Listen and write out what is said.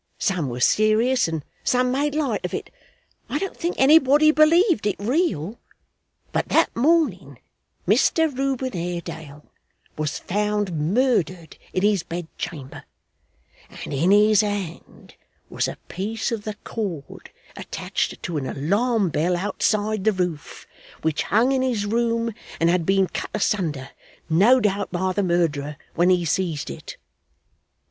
Some were serious and some made light of it; I don't think anybody believed it real. But, that morning, Mr Reuben Haredale was found murdered in his bedchamber; and in his hand was a piece of the cord attached to an alarm bell outside the roof, which hung in his room and had been cut asunder, no doubt by the murderer, when he seized it.